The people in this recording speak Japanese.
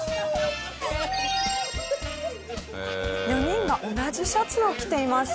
４人が同じシャツを着ています。